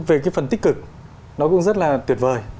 về cái phần tích cực nó cũng rất là tuyệt vời